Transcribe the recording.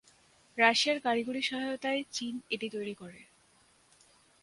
রাশিয়ার কারিগরি সহায়তায় চীন এটি তৈরি করে।